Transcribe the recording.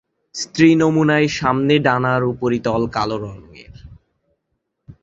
স্ত্রী নমুনায়, সামনের ডানার উপরিতল কালো রঙের।